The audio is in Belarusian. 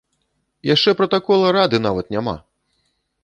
Яшчэ пратакола рады нават няма!